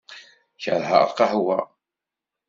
Keṛheɣ lqahwa.